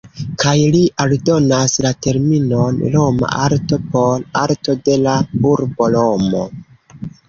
Kaj li aldonas la terminon "Roma arto", por arto de la urbo Romo.